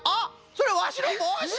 それはわしのぼうし！